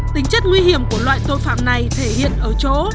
tính chất nguy hiểm của loại tội phạm này thể hiện ở chỗ